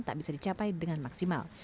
tak bisa dicapai dengan maksimal